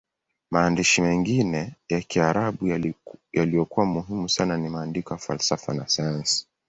Maandishi mengine ya Kiarabu yaliyokuwa muhimu sana ni maandiko ya falsafa na sayansi.